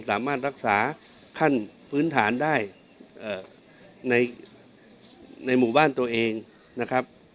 สามารถรักษาขั้นพื้นฐานได้ในหมู่บ้านตัวเองนะครับ